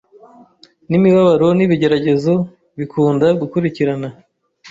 n'imibabaro n'ibigeragezo, bikunda gukurikirana